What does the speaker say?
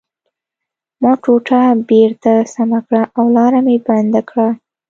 ما ټوټه بېرته سمه کړه او لاره مې بنده کړه